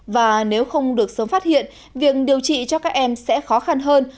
và nếu không được sớm phát hiện việc điều trị cho các em sẽ khó khăn hơn